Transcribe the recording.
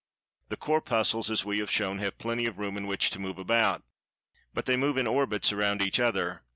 The Corpuscles, as we have shown, have "plenty of room" in which to move about, and they move in orbits around each other.